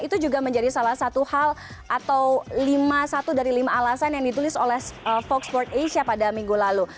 itu juga menjadi salah satu hal atau lima satu dari lima alasan yang ditulis oleh foxford asia pada minggu lalu